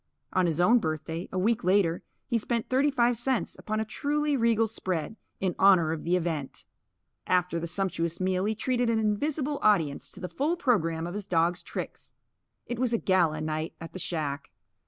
On his own birthday, a week later, he spent thirty five cents upon a truly regal spread, in honour of the event. After the sumptuous meal he treated an invisible audience to the full programme of his dogs' tricks. It was a gala night at the shack.